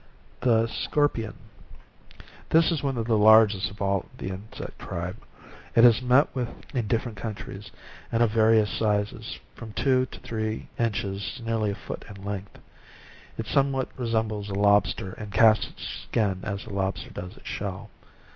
10 SCORPION This is one of the largest of the insect tribe. It is met with in different countries, and of va rious sizes, from two or three inches to nearly a foot in length: it somewhat resembles a lobster, and casts its skin, as the lobster does its shell.